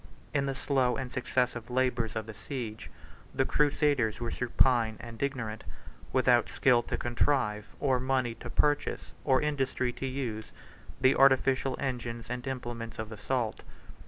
In the slow and successive labors of a siege, the crusaders were supine and ignorant, without skill to contrive, or money to purchase, or industry to use, the artificial engines and implements of assault.